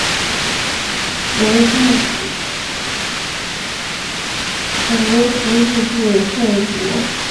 惟故博徒日至纵博。